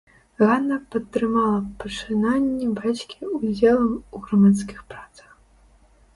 Ганна падтрымала пачынанні бацькі ўдзелам у грамадскіх працах.